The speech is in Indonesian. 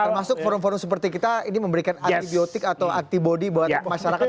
termasuk forum forum seperti kita ini memberikan antibiotik atau antibody buat masyarakat